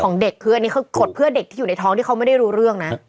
เด็กคืออันนี้เขากดเพื่อเด็กที่อยู่ในท้องที่เขาไม่ได้รู้เรื่องนะ